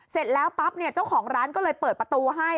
เสร็จแล้วปั๊บเนี่ยเจ้าของร้านก็เลยเปิดประตูให้